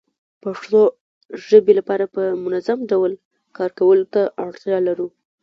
پښتو ژبې لپاره په منظمه ډول کار کولو ته اړتيا لرو